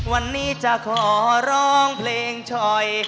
วันนี้จะขอร้องเพลงชอย